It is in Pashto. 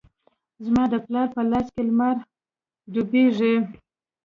زما د پلار په لاس کې لمر ډوبیږې